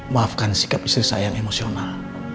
maafkan sikap istri saya yang emosional